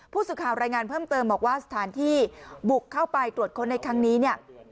ผู้สื่อข่าวรายงานเพิ่มเติมบอกว่าสถานที่บุกเข้าไปตรวจค้นในครั้งนี้เนี่ย